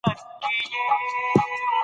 د قانون مراعات د عدالت تضمین دی.